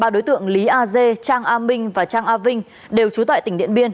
ba đối tượng lý a dê trang a minh và trang a vinh đều trú tại tỉnh điện biên